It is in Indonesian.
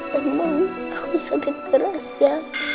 tante mau aku sakit keras ya